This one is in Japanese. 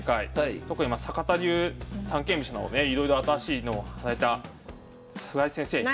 特に阪田流三間飛車のねいろいろ新しいのをされた菅井先生